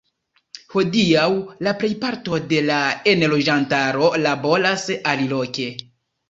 Hodiaŭ la plejparto de la enloĝantaro laboras aliloke.